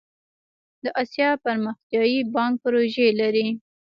د اسیا پرمختیایی بانک پروژې لري